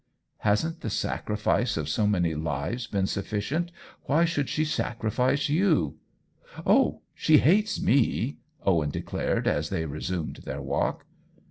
" Hasn't the sacrifice of so many lives been sufficient? Why should she sacrifice you r " Oh, she hates me !" Owen declared, as they resumed their walk.